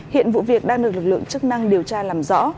hiện vụ việc đang được lực lượng chức năng điều tra làm rõ